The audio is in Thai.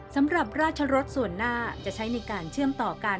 สำหรับราชรสส่วนหน้าจะใช้ในการเชื่อมต่อกัน